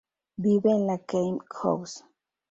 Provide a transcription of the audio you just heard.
Vive en la Kame House.